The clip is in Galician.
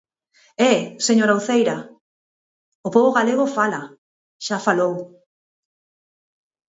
E, señora Uceira, o pobo galego fala; xa falou.